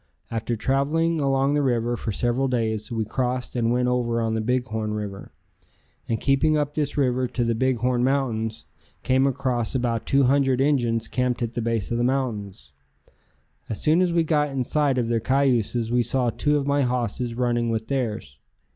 After traveling along the river for several days we crossed and went over on the Big Horn River, and keeping up this river to the Big Horn Mountains, came across about two hundred Injuns camped at the base of the mountains. As soon as we got in sight of their cayuses we saw two of my hosses running with theirs.